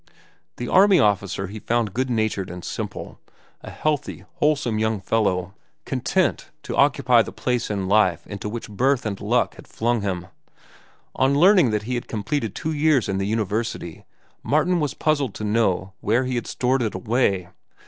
The army officer he found good natured and simple, a healthy, wholesome young fellow, content to occupy the place in life into which birth and luck had flung him. On learning that he had completed two years in the university, Martin was puzzled to know where he had stored it away.